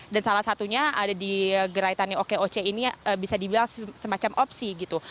dan salah satunya ada di gerai tani okoc ini bisa dibilang semacam opsi gitu